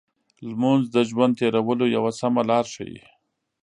لمونځ د ژوند تېرولو یو سمه لار ښيي.